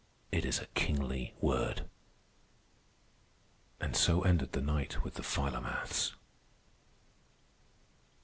It is a kingly word." And so ended the night with the Philomaths.